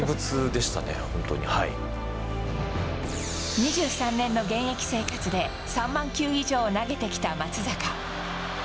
２３年の現役生活で３万球以上を投げてきた松坂。